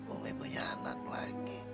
umi punya anak lagi